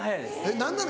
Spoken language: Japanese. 何なの？